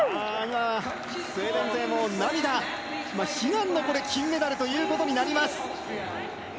スウェーデン勢も涙、悲願の金メダルということになります。